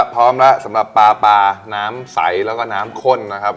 พร้อมแล้วสำหรับปลาปลาน้ำใสแล้วก็น้ำข้นนะครับ